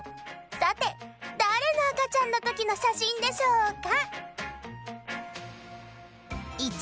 さて誰の赤ちゃんのときの写真でしょうか？